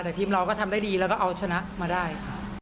แต่ทีมเราก็ทำได้ดีแล้วก็เอาชนะมาได้